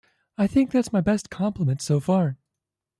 I think that's my best compliment so far.